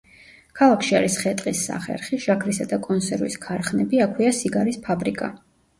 ქალაქში არის ხე-ტყის სახერხი, შაქრისა და კონსერვის ქარხნები; აქვეა სიგარის ფაბრიკა.